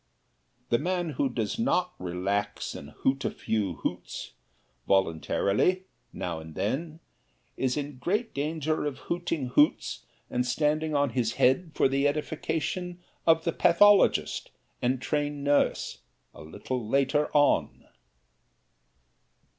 The man who does not relax and hoot a few hoots voluntarily, now and then, is in great danger of hooting hoots and standing on his head for the edification of the pathologist and trained nurse, a little later on.